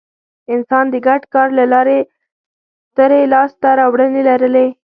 انسان د ګډ کار له لارې سترې لاستهراوړنې لرلې.